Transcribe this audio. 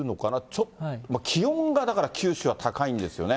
ちょっと、気温がだから九州は高いんですよね。